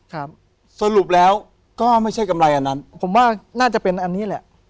ครับสรุปแล้วก็ไม่ใช่กำไรอันนั้นผมว่าน่าจะเป็นอันนี้แหละ